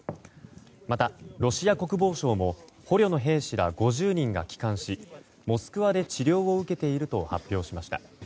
また、ロシア国防省も捕虜の兵士ら５０人が帰還しモスクワで治療を受けていると発表しました。